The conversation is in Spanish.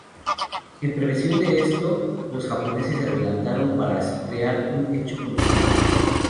En previsión de esto, los japoneses se adelantaron para así crear un hecho consumado.